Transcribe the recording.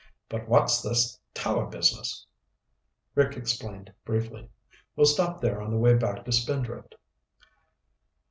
"But what's this tower business?" Rick explained briefly. "We'll stop there on the way back to Spindrift."